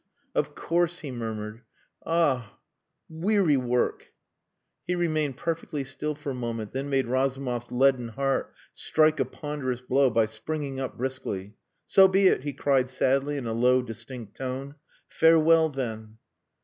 Of course," he murmured.... "Ah! weary work!" He remained perfectly still for a moment, then made Razumov's leaden heart strike a ponderous blow by springing up briskly. "So be it," he cried sadly in a low, distinct tone. "Farewell then."